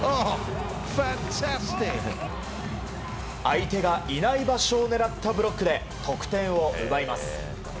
相手がいない場所を狙ったブロックで得点を奪います。